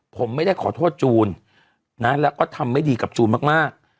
ผมไม่ได้ขอโทษจูนนะแล้วก็ทำไม่ดีกับจูนมาก